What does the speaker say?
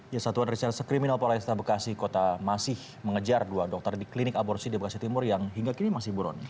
ya satu dari sel serkriminal polresta bekasi kota masih mengejar dua dokter di klinik aborsi di bekasi timur yang hingga kini masih burun